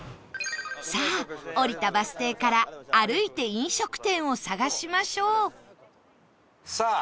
さあ降りたバス停から歩いて飲食店を探しましょう